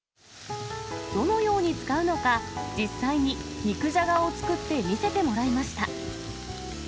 どのように使うのか、実際に肉じゃがを作って見せてもらいました。